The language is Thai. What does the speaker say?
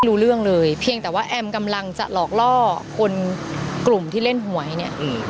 รู้เรื่องเลยเพียงแต่ว่าแอมกำลังจะหลอกล่อคนกลุ่มที่เล่นหวยเนี่ย